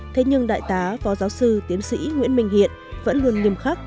thế nhưng đại tá phó giáo sư tiến sĩ nguyễn minh hiện vẫn luôn nghiêm khắc